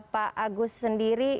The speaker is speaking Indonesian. pak agus sendiri